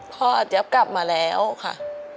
พ่อเจ๊พกลับมาแล้วค่ะ